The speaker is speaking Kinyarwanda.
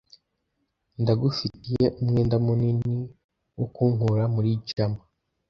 Ndagufitiye umwenda munini wo kunkura muri jam.